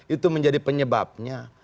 itu menjadi penyebabnya